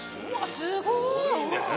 すごいね。